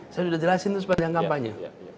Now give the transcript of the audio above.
saya sudah jelasin itu seperti yang kampanye